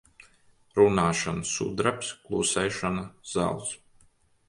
Runāšana sudrabs, klusēšana zelts.